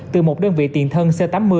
từ một đơn vị tiền thân s tám mươi